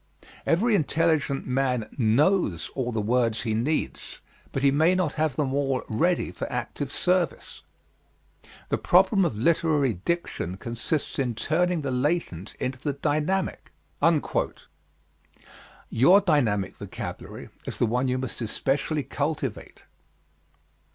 Every intelligent man knows all the words he needs, but he may not have them all ready for active service. The problem of literary diction consists in turning the latent into the dynamic." Your dynamic vocabulary is the one you must especially cultivate.